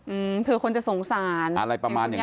อืมเผื่อคนจะสงสารอะไรประมาณอย่างเ